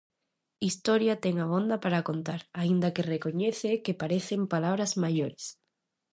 Historia ten abonda para contar, aínda que recoñece que "parecen palabras maiores".